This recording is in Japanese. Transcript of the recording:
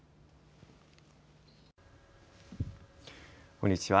こんにちは。